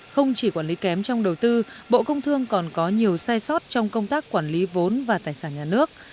không chỉ quản lý kém trong đầu tư bộ công thương còn có nhiều sai sót trong công tác quản lý vốn và tài sản nhà nước